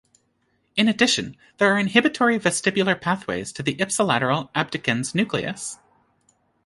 In addition there are inhibitory vestibular pathways to the ipsilateral abducens nucleus.